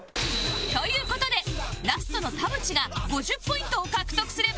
という事でラストの田渕が５０ポイントを獲得すれば優勝